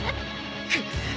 くっ。